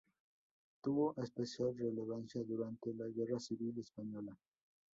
Tuvo especial relevancia durante la Guerra Civil Española.